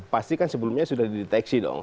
pasti kan sebelumnya sudah dideteksi dong